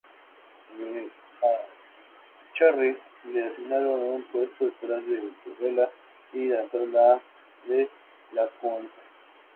A Echarri le asignaron un puesto, detrás de Corella y delante de Lacunza.